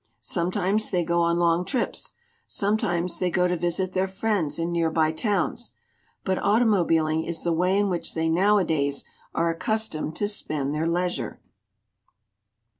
Sometimes they go on long trips, sometimes they go to visit their friends in near by towns. But automobiling is the way in which they nowadays are accustomed to spend then leisure.